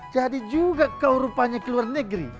jadi juga kau rupanya ke luar negeri